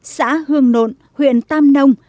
xã hương nộn huyện tam nông